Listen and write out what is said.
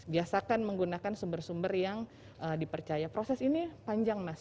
biasakan menggunakan sumber sumber yang dipercaya proses ini panjang mas